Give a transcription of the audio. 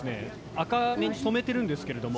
赤めに染めてるんですけれども。